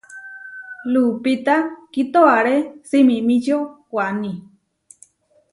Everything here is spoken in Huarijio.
Lupita kitoaré simimíčio Waní.